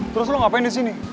terus lo ngapain di sini